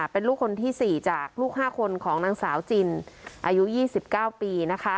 เป็นลูกคนที่๔จากลูก๕คนของนางสาวจินอายุ๒๙ปี